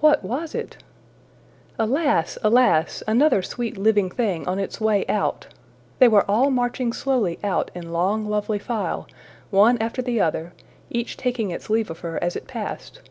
What was it? Alas! alas! another sweet living thing on its way out. They were all marching slowly out in long lovely file, one after the other, each taking its leave of her as it passed!